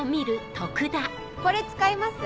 これ使います？